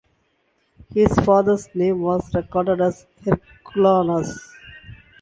His father's name was recorded as Herculanus.